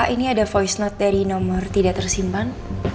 ini ada voice note dari nomor tidak tersimpan